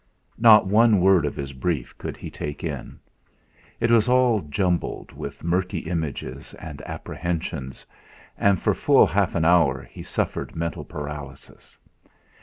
Not one word of his brief could he take in. It was all jumbled with murky images and apprehensions, and for full half an hour he suffered mental paralysis.